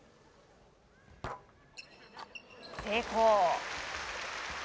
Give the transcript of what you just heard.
成功！